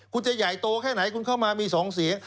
คุณจะใหญ่โตแค่ไหนคุณเข้ามามี๒เสียง